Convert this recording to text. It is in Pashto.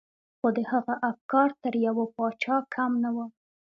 خو د هغه افکار تر يوه پاچا کم نه وو.